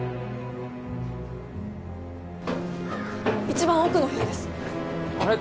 一番奥の部屋ですあれ？